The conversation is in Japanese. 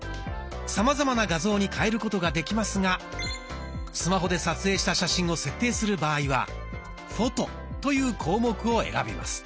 さまざまな画像に変えることができますがスマホで撮影した写真を設定する場合は「フォト」という項目を選びます。